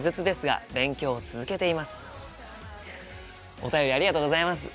お便りありがとうございます。